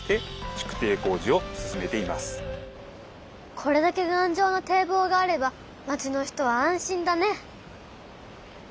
これだけがんじょうな堤防があれば町の人は安心だね！